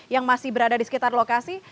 yang masih berada di sekitar lokasi